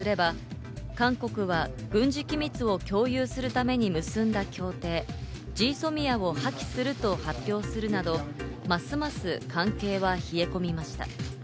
その後、日本が韓国への輸出管理を強化すれば、韓国は軍事機密を共有するために、結んだ協定・ＧＳＯＭＩＡを破棄すると発表するなど、ますます関係は冷え込みました。